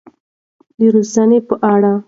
د روزنې په اړه.